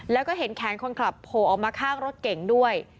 แล้วก็เห็นแขนคนขับโผล่ออกมาข้างรถเก่งด้วย